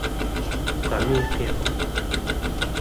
qamiqiquq